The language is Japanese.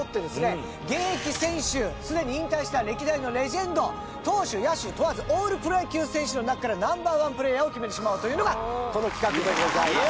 現役選手すでに引退した歴代のレジェンド投手野手問わずオールプロ野球選手の中からナンバー１プレーヤーを決めてしまおうというのがこの企画でございます。